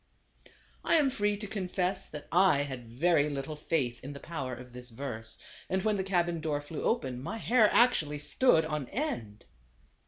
THE CAE A VAN. 11 7 I am free to confess that I had very little faith in the power of this verse ; and when the cabin door flew open my hair actually stood on end.